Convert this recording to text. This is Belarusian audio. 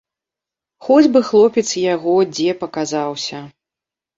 Хоць бы хлопец яго дзе паказаўся.